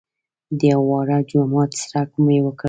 د یوه واړه جومات څرک مې وکړ.